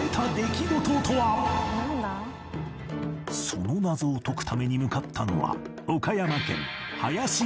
その謎を解くために向かったのは